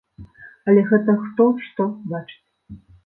Але гэта хто што бачыць.